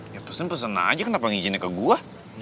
ya pesen pesen aja kenapa ngizinnya ke gue